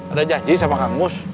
ada janji sama kang mus